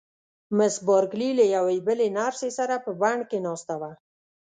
مس بارکلي له یوې بلې نرسې سره په بڼ کې ناسته وه.